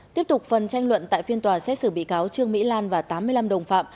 tiếp tục phần tranh luận tại phiên tòa xét xử bị cáo trương mỹ lan và tám mươi năm đồng phạm